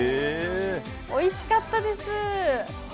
おいしかったです！